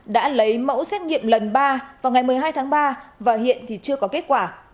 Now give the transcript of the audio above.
đã lấy mẫu xét nghiệm lần ba vào ngày một mươi hai tháng ba và hiện thì chưa có kết quả